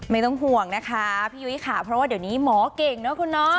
ไม่ต้องห่วงนะคะพี่ยุ้ยค่ะเพราะว่าเดี๋ยวนี้หมอเก่งนะคุณเนาะ